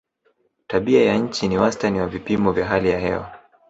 tabia ya nchi ni wastani wa vipimo vya hali ya hewa